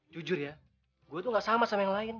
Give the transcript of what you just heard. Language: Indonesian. jujur aku tidak sama dengan orang lain